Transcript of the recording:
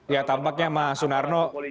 ya tampaknya mas sunarno